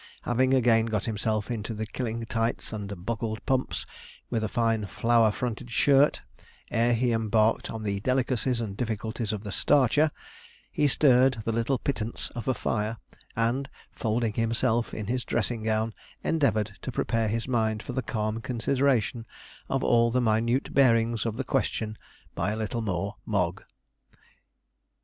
Having again got himself into the killing tights and buckled pumps, with a fine flower fronted shirt, ere he embarked on the delicacies and difficulties of the starcher, he stirred the little pittance of a fire, and, folding himself in his dressing gown, endeavoured to prepare his mind for the calm consideration of all the minute bearings of the question by a little more Mogg.